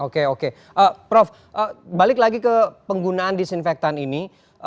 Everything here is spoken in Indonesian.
oke oke prof balik lagi ke penggunaan disinfektan ini